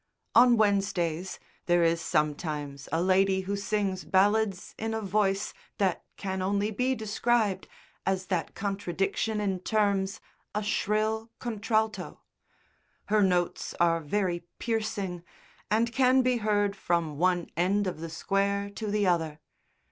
On Wednesdays there is sometimes a lady who sings ballads in a voice that can only be described as that contradiction in terms "a shrill contralto." Her notes are very piercing and can be heard from one end of the Square to the other.